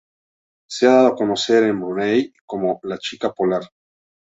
Se ha dado a conocer en Brunei como "la Chica Polar"..